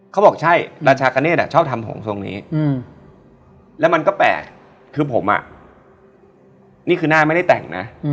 เขาบอกใช่ราชาคเนธชอบทำของทรงนี้แล้วมันก็แปลกคือผมนี่คือหน้าไม่ได้แต่งนะ